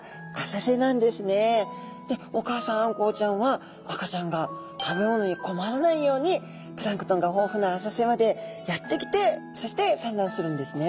でお母さんあんこうちゃんは赤ちゃんが食べ物に困らないようにプランクトンが豊富な浅瀬までやって来てそして産卵するんですね。